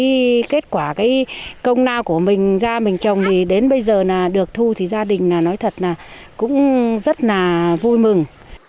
cái kết quả cái công nào của mình ra mình trồng thì đến bây giờ là được thu thì gia đình là nói thật là cũng rất là vui mừng